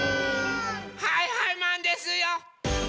はいはいマンですよ！